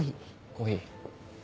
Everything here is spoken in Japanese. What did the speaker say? コーヒー。